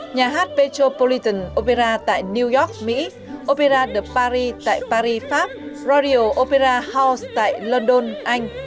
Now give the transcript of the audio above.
nhà hát petropolitan opera tại new york mỹ opera de paris tại paris pháp radio opera house tại london anh